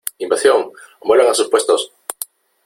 ¡ Invasión !¡ vuelvan a sus puestos !